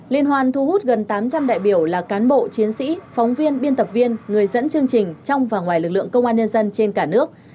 liên hoan thu hút gần tám trăm linh đại biểu là cán bộ chiến sĩ phóng viên biên tập viên người dẫn chương trình trong và ngoài lực lượng công an nhân dân trên cả nước